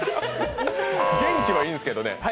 元気はいいんですけどね。